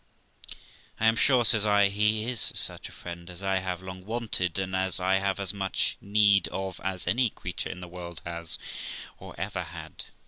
'I am sure', says I, *he is such a friend as I have long wanted, and as I have as much need of as any creature in the world has, or ever had.'